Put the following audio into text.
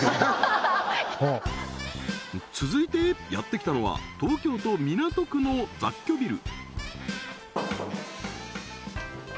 続いてやってきたのは東京都港区の雑居ビル